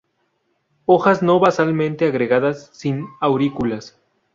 Hojas no basalmente agregadas; sin aurículas.